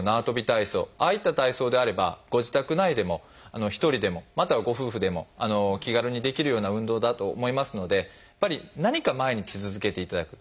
体操ああいった体操であればご自宅内でも１人でもまたはご夫婦でも気軽にできるような運動だと思いますのでやっぱり何か毎日続けていただく。